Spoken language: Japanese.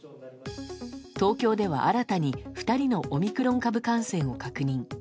東京では新たに２人のオミクロン株感染を確認。